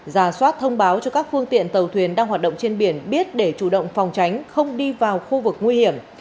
giả soát thông báo cho các phương tiện tàu thuyền đang hoạt động trên biển biết để chủ động phòng tránh không đi vào khu vực nguy hiểm